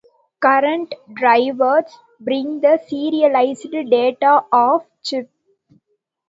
Current drivers bring the serialised data off chip.